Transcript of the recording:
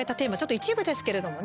一部ですけれどもね